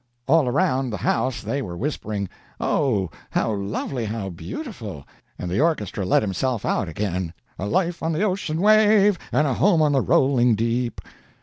"All around the house they were whispering, 'Oh, how lovely, how beautiful!' and the orchestra let himself out again: "A life on the ocean wave, And a home on the rolling deep!